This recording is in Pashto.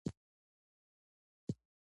شريف د هوسايۍ سا واخيستله.